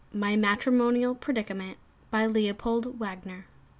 MY MATRIMONIAL PREDICAMENT. LEOPOLD WAGNER.